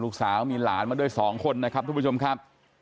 ลูกสาวมีหลานมาด้วย๒คนนะครับทุกผู้ชมครับ